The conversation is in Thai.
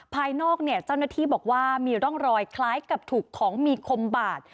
ภายนอกเนี่ยเจ้าหน้าที่บอกว่ามีร่องรอยคล้ายกับถูกของมีคมบาด